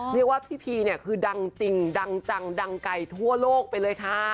เรียกว่าพี่พีเนี่ยคือดังจริงดังจังดังไกลทั่วโลกไปเลยค่ะ